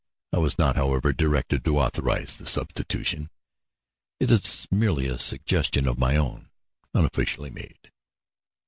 I was not, however, directed to authorize the substitution; it is merely a suggestion of my own, unofficially made."